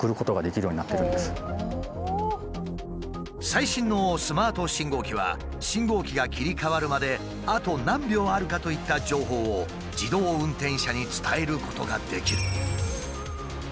最新のスマート信号機は信号機が切り替わるまであと何秒あるかといった情報を自動運転車に伝えることができる。